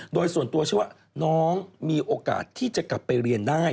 โดยส่วนตัวเชื่อว่าน้องมีโอกาสที่จะกลับไปเรียนได้